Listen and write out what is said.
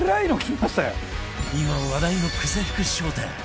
今話題の久世福商店